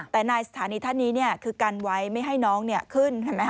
แต่นายสถานีท่านนี้คือกันไว้ไม่ให้น้องขึ้น